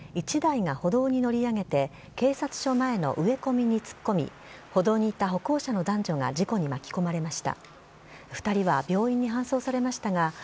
この際、１台が歩道に乗り上げて、警察署前の植え込みに突っ込み、歩道にいた歩行者の男女が事故に巻き込まれました。